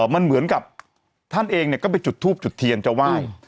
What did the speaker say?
มันเหมือนกับท่านเองก็ไปจุดทูบจุดเทียนจะไหว้